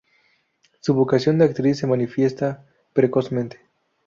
Su vocación de actriz se manifiesta precozmente.